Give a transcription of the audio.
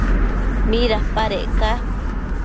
¿midapadec ca?